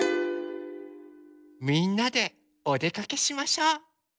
みんなでおでかけしましょう。